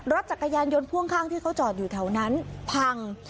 รถจักรยานยนต์พ่วงข้างที่เขาจอดอยู่แถวนั้นพัง